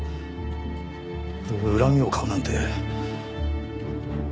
恨みを買うなんて。